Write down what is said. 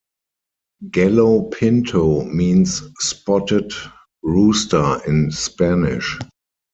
Gallo pinto means "spotted rooster" in Spanish.